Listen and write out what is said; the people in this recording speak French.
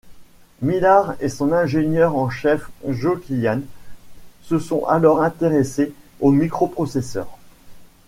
Millard et son ingénieur en chef Joe Killian se sont alors intéressés aux microprocesseurs.